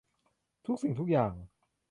ทุกสิ่งทุกอย่าง